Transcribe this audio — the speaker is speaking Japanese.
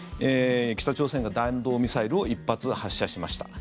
北朝鮮が弾道ミサイルを１発発射しました。